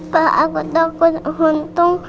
pak aku takut untung